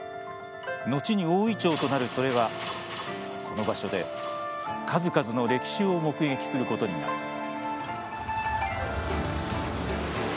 後に大イチョウとなるそれはこの場所で数々の歴史を目撃することになる。